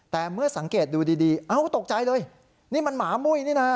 แต่เมื่อสังเกตดูดีดีเอ้าตกใจเลยนี่มันหมามุ้ยนี่นะ